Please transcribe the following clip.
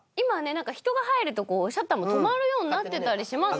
何か人が入るとこうシャッターも止まるようになってたりします